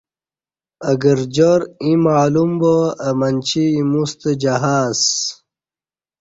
اہ گرجار ییں معلوم با اہ منچی ایمُوستہ جہاز